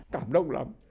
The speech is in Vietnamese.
cảm động lắm